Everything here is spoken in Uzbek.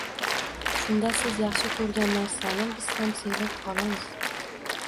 Shunda siz yaxshi ko’rgan narsani biz ham sevib qolamiz.